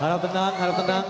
harap tetang harap tetang